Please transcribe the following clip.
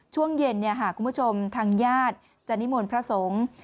ช่วงเย็นคุณผู้ชมทางญาติจะนิมนต์พระสงฆ์